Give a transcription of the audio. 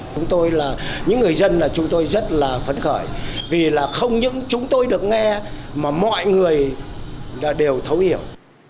chúng tôi là những người dân là chúng tôi rất là phấn khởi vì là không những chúng tôi được nghe mà mọi người đều thấu hiểu